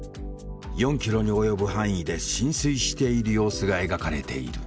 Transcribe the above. ４キロに及ぶ範囲で浸水している様子が描かれている。